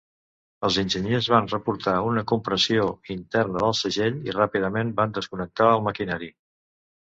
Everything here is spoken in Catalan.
Els enginyers van reportar una compressió interna del segell i ràpidament van desconnectar el maquinari.